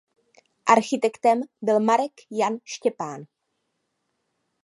Architektem byl Marek Jan Štěpán.